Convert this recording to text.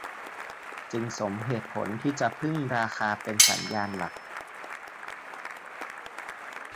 จึงสมเหตุผลที่จะพึ่งราคาเป็นสัญญาณหลัก